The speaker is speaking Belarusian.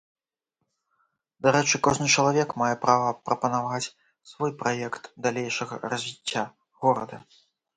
Дарэчы, кожны чалавек мае права прапанаваць свой праект далейшага развіцця горада.